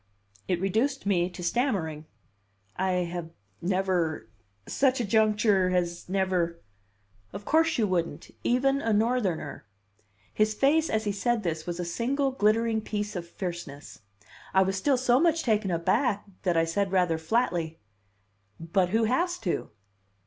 It reduced me to stammering. "I have never such a juncture has never " "Of course you wouldn't. Even a Northerner!" His face, as he said this, was a single glittering piece of fierceness. I was still so much taken aback that I said rather flatly: "But who has to?"